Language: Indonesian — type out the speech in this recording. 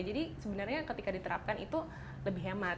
jadi sebenarnya ketika diterapkan itu lebih hemat